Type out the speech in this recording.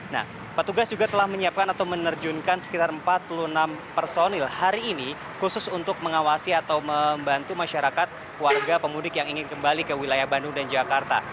nah petugas juga telah menyiapkan atau menerjunkan sekitar empat puluh enam personil hari ini khusus untuk mengawasi atau membantu masyarakat warga pemudik yang ingin kembali ke wilayah bandung dan jakarta